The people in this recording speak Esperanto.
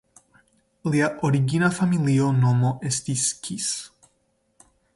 Lia origina familia nomo estis "Kis".